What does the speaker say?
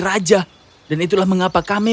raja dan itulah mengapa kami